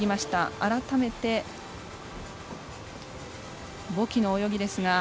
改めてボキの泳ぎですが。